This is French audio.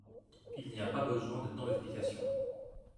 Il n'y a pas besoin de tant d'explications.